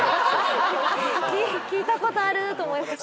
聞いたことあると思いまして。